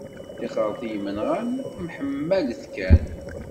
Tixret i yimenɣan, mḥemmalet kan.